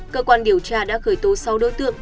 cơ quan điều tra đã khởi tố sáu đối tượng